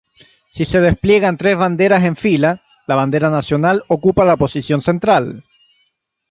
Si se despliegan tres banderas en fila, la bandera nacional ocupa la posición central.